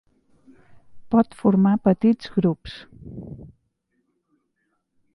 Pot formar petits grups.